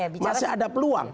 masih ada peluang